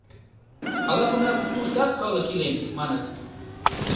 Ала-кунам туштат калык илен, маныт.